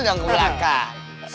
jangan ke belakang